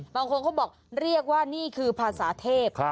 บางคนเขาบอกเรียกว่านี่คือภาษาเทพ